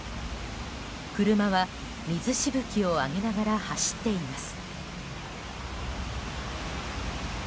車は水しぶきを上げながら走っています。